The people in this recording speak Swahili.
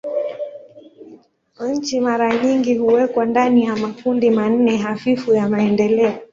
Nchi mara nyingi huwekwa ndani ya makundi manne hafifu ya maendeleo.